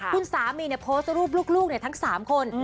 คุณสามีโพสต์รูปลูกทั้ง๓คน